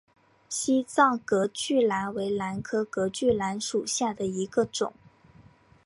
西藏隔距兰为兰科隔距兰属下的一个种。